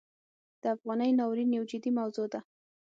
د افغانۍ ناورین یو جدي موضوع ده.